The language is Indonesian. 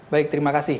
baik terima kasih